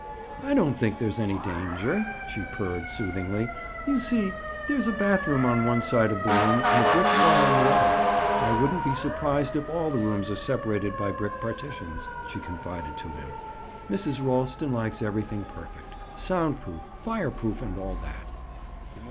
"I don't think there's any danger," she purred soothingly. "You see there's a bathroom on one side of the room and a brick wall on the other. I wouldn't be surprised if all the rooms are separated by brick partitions," she confided to him. "Mrs. Ralston likes everything perfect—sound proof, fire proof, and all that."